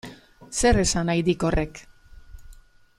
Zer esan nahi dik horrek?